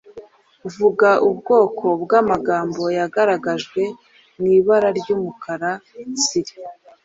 Vuga ubwoko bw’amagambo yagaragajwe mu ibara ry’umukara tsiri